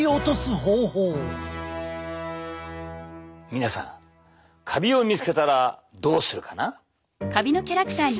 皆さんカビを見つけたらどうするかな？